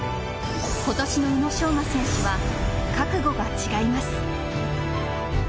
今年の宇野昌磨選手は覚悟が違います。